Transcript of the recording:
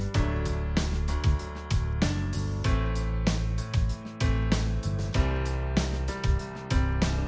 jangan menyerah lah gitu